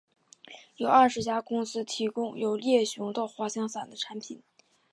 有二十家公司提供由猎熊到滑翔伞的产品。